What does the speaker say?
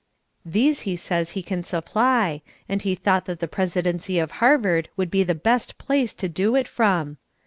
These he says he can supply, and he thought that the presidency of Harvard would be the best place to do it from.